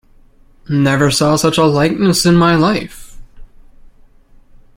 Never saw such a likeness in my life!